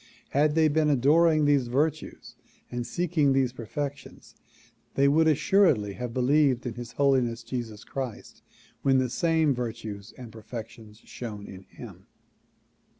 Had they been adoring these virtues and seeking these perfections they would assuredly have believed in His Holiness Jesus Christ when the same virtues and perfections shone in him.